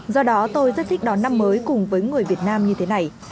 do đó tôi rất thích đón năm mới cùng với người việt nam như thế này